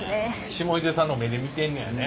霜出さんの目で見てんねやね。